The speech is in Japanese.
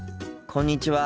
こんにちは。